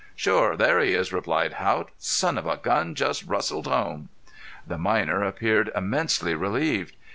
"Shore, there he is," replied Haught. "Son of a gun jest rustled home." The miner appeared immensely relieved.